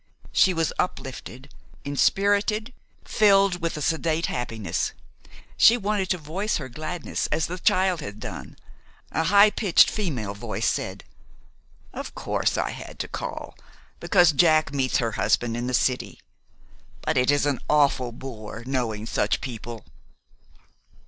She was uplifted, inspirited, filled with a sedate happiness. She wanted to voice her gladness as the child had done. A high pitched female voice said: "Of course I had to call, because Jack meets her husband in the city; but it is an awful bore knowing such people."